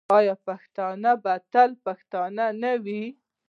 آیا پښتون به تل پښتون نه وي؟